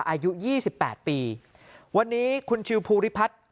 อายุยี่สิบแปดปีวันนี้คุณชิวภูริพัฒน์